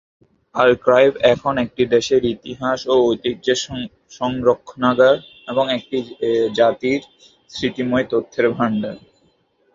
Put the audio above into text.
Archive এখন একটা দেশের ইতিহাস ও ঐতিহ্যের সংরক্ষণাগার; একটা জাতির স্মৃতিময় তথ্যের ভান্ডার।